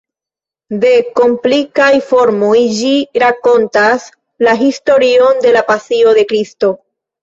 De komplikaj formoj, ĝi rakontas la historion de la Pasio de Kristo.